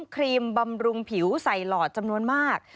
ครีมบำรุงผิวใส่หลอดจำนวนมาก